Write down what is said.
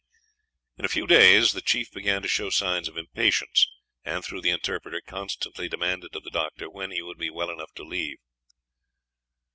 In a few days the chief began to show signs of impatience, and through the interpreter constantly demanded of the doctor when he would be well enough to leave.